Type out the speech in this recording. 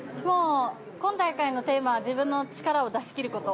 今大会のテーマは自分の力を出し切ること。